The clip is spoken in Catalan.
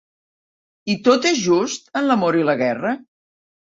I tot és just en l'amor i la guerra?